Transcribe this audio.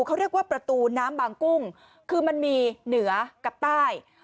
เขาเรียกว่าประตูน้ำบางกุ้งคือมันมีเหนือกับใต้